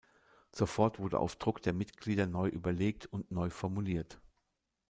Sofort wurde auf Druck der Mitglieder neu überlegt und neu formuliert.